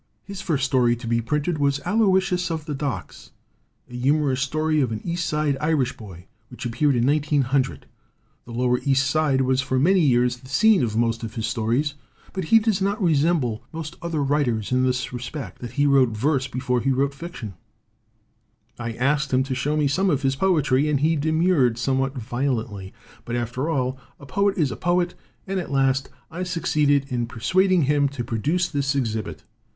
His first story to be printed was "Aloysius of the Docks," a humorous story of an East Side Irish boy, which appeared in 1900. The lower East Side was for many years the scene of most of his stories. But he does resemble most other writers in this re 54 ROMANTICISM AND HUMOR spect, that he wrote verse before he wrote fiction. I asked him to show me some of his poetry, and he demurred somewhat violently. But, after all, a poet is a poet, and at last I succeeded in per suading him to produce this exhibit.